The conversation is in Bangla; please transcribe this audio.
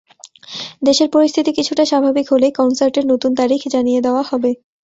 দেশের পরিস্থিতি কিছুটা স্বাভাবিক হলেই কনসার্টের নতুন তারিখ জানিয়ে দেওয়া হবে।